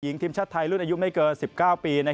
ทีมชาติไทยรุ่นอายุไม่เกิน๑๙ปี